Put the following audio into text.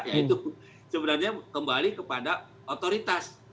ya itu sebenarnya kembali kepada otoritas